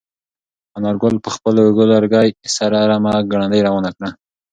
انارګل په خپل اوږد لرګي سره رمه ګړندۍ روانه کړه.